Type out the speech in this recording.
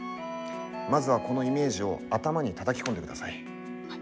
まずは、このイメージを頭にたたき込んでください。